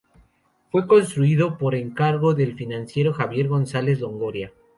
Fue construido por encargo del financiero Javier González Longoria.